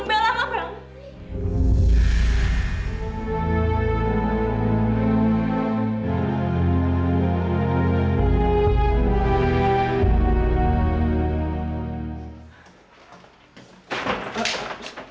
iya kita bisa cari mbak